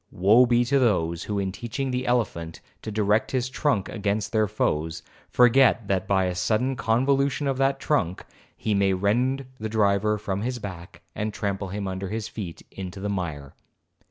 Woe be to those, who, in teaching the elephant to direct his trunk against their foes, forget that by a sudden convolution of that trunk, he may rend the driver from his back, and trample him under his feet into the mire.